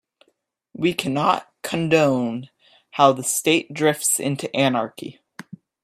We cannot condone how the state drifts into anarchy.